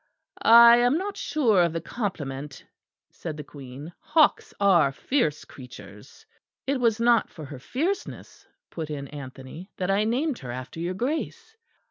"I am not sure of the compliment," said the Queen; "hawks are fierce creatures." "It was not for her fierceness," put in Anthony, "that I named her after your Grace."